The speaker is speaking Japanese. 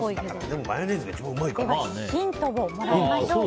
でもマヨネーズが一番うまいかも。